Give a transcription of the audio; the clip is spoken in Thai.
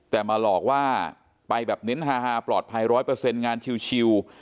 แต่มาหลอกว่าไปแบบเน้นฮาปลอดภัยร้อยเปอร์เซ็นต์งานชิล